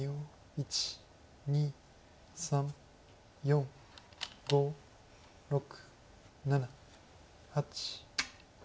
１２３４５６７８。